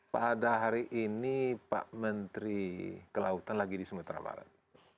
pada hari ini pak menteri kelautan lagi di sumatera barat